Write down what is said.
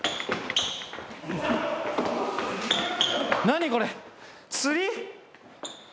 何これ釣り？